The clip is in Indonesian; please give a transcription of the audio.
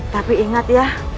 tapi ingat ya